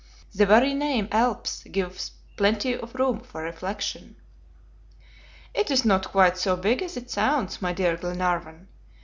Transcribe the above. "The very name Alps gives plenty of room for reflection." "It is not quite so big as it sounds, my dear Glenarvan.